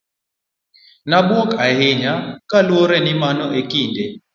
Ne abuok ahinya kaluore ni mano e kinde